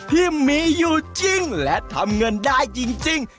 ที่มีอยู่จริงและทำเงินได้จริง